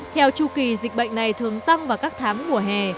theo chu kỳ dịch bệnh này thường tăng vào các tháng mùa hè